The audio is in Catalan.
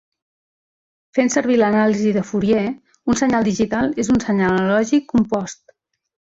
Fent servir l'anàlisi de Fourier, un senyal digital és un senyal analògic compost.